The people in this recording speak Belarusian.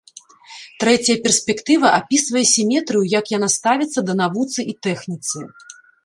Трэцяя перспектыва апісвае сіметрыю, як яна ставіцца да навуцы і тэхніцы.